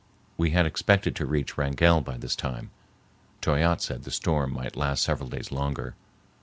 We had expected to reach Wrangell by this time. Toyatte said the storm might last several days longer.